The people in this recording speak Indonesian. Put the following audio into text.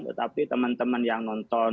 tetapi teman teman yang nonton